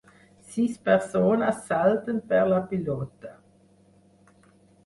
Sis persones salten per la pilota.